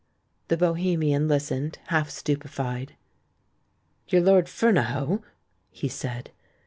The bohemian listened, half stupefied. "You're Lord Fernahoe?" he said.